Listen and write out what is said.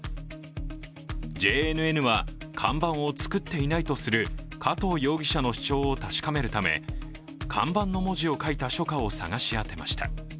ＪＮＮは、看板を作っていないとする加藤容疑者の主張を確かめるため看板の文字を書いた書家を探し当てました。